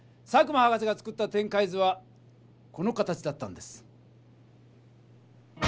佐久間博士が作った展開図はこの形だったんです。